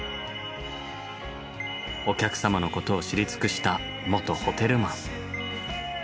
お客様のことを知り尽くした元ホテルマン。